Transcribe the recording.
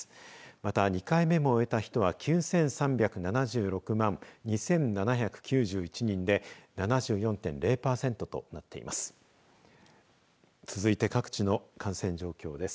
また、２回目も終えた人は９３７６万２７９１人で７４．０パーセントとなっています。